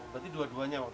berarti dua duanya waktu itu